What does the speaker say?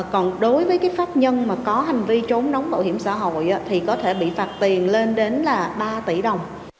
còn đối với cái pháp nhân mà có hành vi trốn đóng bảo hiểm xã hội thì có thể bị phạt tiền lên đến là ba tỷ đồng